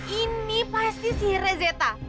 ini pasti sihirnya zeta